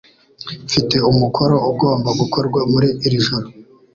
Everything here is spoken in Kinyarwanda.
Mfite umukoro ugomba gukorwa muri iri joro.